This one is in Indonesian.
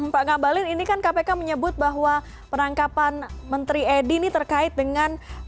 pak ngabalin ini kan kpk menyebut bahwa penangkapan menteri edi ini terkait dengan